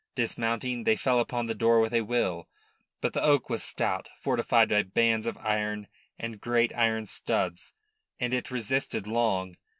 Dismounting, they fell upon the door with a will. But the oak was stout, fortified by bands of iron and great iron studs; and it resisted long.